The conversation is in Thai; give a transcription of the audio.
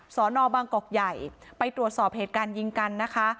ศบใหญ่ไปตรวจสอบเหตุการณ์ยิงกันนะคะ